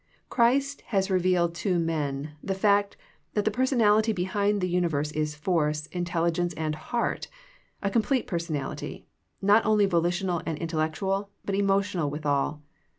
Christ has revealed to men the fact that the personality behind the universe is force, intelligence and heart, a complete personality, not only volitional and intellectual but emotional withal.